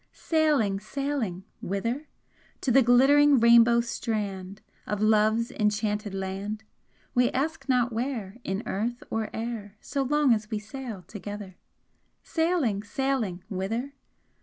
Sailing, sailing! Whither? To the glittering rainbow strand Of Love's enchanted land? We ask not where In earth or air, So long as we sail together! Sailing, sailing! Whither?